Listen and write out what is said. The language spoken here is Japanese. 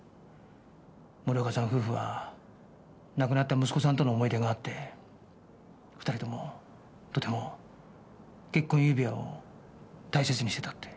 森岡さん夫婦は亡くなった息子さんとの思い出があって２人ともとても結婚指輪を大切にしてたって。